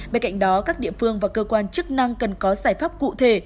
bên cạnh đó các địa phương và cơ quan chức năng cần có giải pháp cụ thể